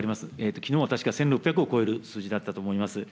きのうは確か１６００を超える数字だったと思います。